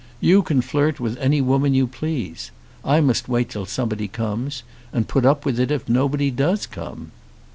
You can flirt with any woman you please. I must wait till somebody comes, and put up with it if nobody does come."